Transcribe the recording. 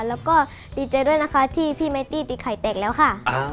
แล้วก็ดีใจด้วยนะคะที่พี่ไมตี้ตีไข่แตกแล้วค่ะ